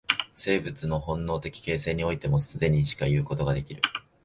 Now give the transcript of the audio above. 生物の本能的形成においても、既にしかいうことができる。